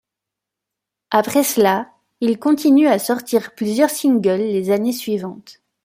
Après cela, il continue à sortir plusieurs singles les années suivantes.